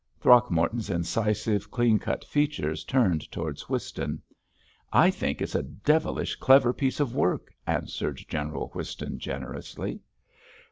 Throgmorton's incisive, clean cut features turned towards Whiston. "I think it's a devilish clever piece of work!" answered General Whiston, generously.